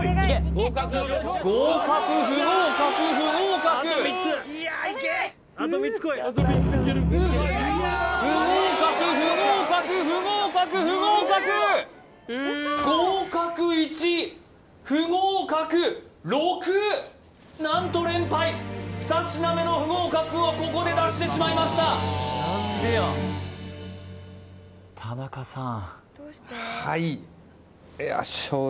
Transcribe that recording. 合格不合格不合格不合格不合格不合格不合格合格１不合格６何と連敗２品目の不合格をここで出してしまいました田中さん